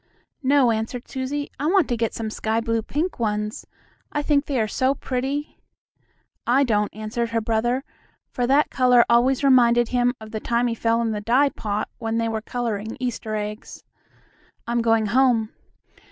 "No," answered Susie, "I want to get some sky blue pink ones. I think they are so pretty." "I don't," answered her brother, for that color always reminded him of the time he fell in the dye pot, when they were coloring Easter eggs. "I'm going home.